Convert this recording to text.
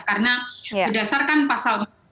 karena berdasarkan pasal satu